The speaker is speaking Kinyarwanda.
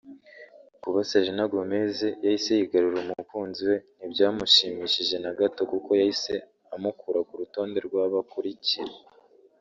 Kuba Selena Gomez yahise yigarurira umukunzi we ntibyamushimishije na gato kuko yahise amukura ku rutonde rw’abo akurikira